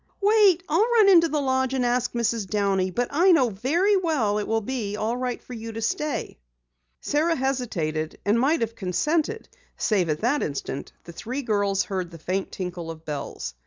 "Wait, I'll run into the lodge and ask Mrs. Downey. But I know very well it will be all right for you to stay." Sara hesitated, and might have consented, save at that instant the three girls heard the faint tinkle of bells.